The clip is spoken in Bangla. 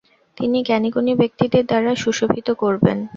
তিনি জ্ঞাণী-গুণী ব্যক্তিদের দ্বারা সুশোভিত করবেন।